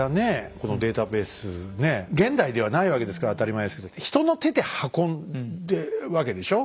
このデータベースね現代ではないわけですから当たり前ですけど人の手で運んでるわけでしょ？